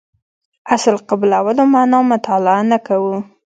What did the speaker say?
اصل قبلولو معنا مطالعه نه کوو.